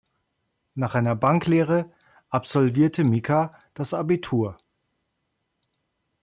Nach einer Banklehre absolvierte Mika das Abitur.